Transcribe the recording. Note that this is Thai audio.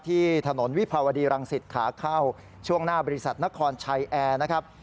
ที่ถนนวิภาวดีรังสิตขาเข้าช่วงหน้าบริษัทนครชัยแอร์นะครับ